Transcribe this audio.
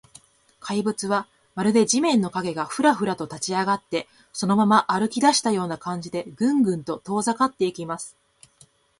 怪物は、まるで地面の影が、フラフラと立ちあがって、そのまま歩きだしたような感じで、グングンと遠ざかっていきます。